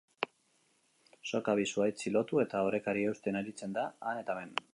Soka bi zuhaitzi lotu eta orekari eusten aritzen da han eta hemen.